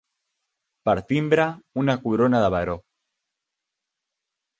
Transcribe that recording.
Per timbre una corona de baró.